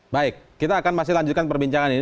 baik kita akan masih lanjutkan perbincangan ini